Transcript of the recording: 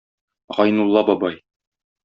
Гайнулла бабай.